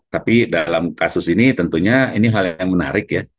tapi dalam kasus ini tentunya ini hal yang menarik ya